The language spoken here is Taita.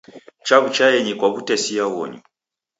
Chaw'uchaenyi kwa w'utesia ghonyu.